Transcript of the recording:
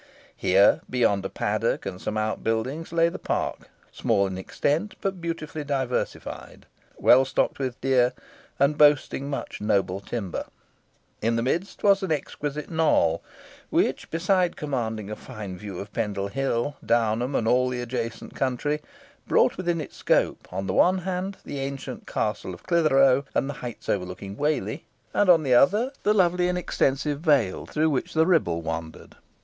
Here, beyond a paddock and some outbuildings, lay the park, small in extent, but beautifully diversified, well stocked with deer, and boasting much noble timber. In the midst was an exquisite knoll, which, besides commanding a fine view of Pendle Hill, Downham, and all the adjacent country, brought within its scope, on the one hand, the ancient castle of Clithero and the heights overlooking Whalley; and, on the other, the lovely and extensive vale through which the Ribble wandered.